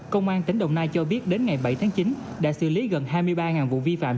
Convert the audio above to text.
công an tỉnh đồng nai cho biết đến ngày bảy tháng chín đã xử lý gần hai mươi ba vụ vi phạm